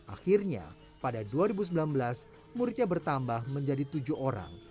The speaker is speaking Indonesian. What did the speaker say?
akhirnya pada dua ribu sembilan belas muridnya bertambah menjadi tujuh orang